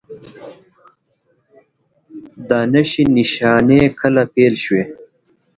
دا نښې نښانې کله پیل شوي؟